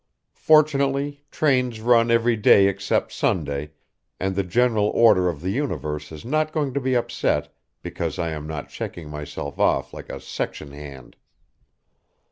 Fortunately trains run every day except Sunday, and the general order of the universe is not going to be upset because I am not checking myself off like a section hand."